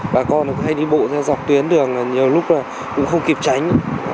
bà con hay đi bộ theo dọc tuyến đường là nhiều lúc là cũng không kịp tránh